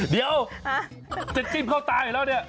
เดี๋ยวจะจิ้มเข้าตาอยู่แล้วเนี่ย